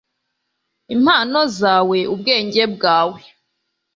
impano zawe, ubwenge bwawe